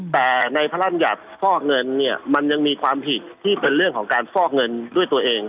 แต่ในพระรำยัติฟอกเงินเนี่ยมันยังมีความผิดที่เป็นเรื่องของการฟอกเงินด้วยตัวเอง